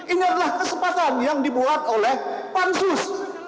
ini adalah kesempatan yang dibuat oleh pansus